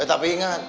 eh tapi ingat